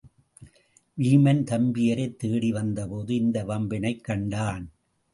வீமன் தம்பியரைத் தேடி வந்த போது இந்த வம்பினைக் கண்டான்.